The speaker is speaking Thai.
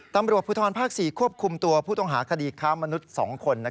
ตำรวจภูทรภาค๔ควบคุมตัวผู้ต้องหาคดีค้ามนุษย์๒คน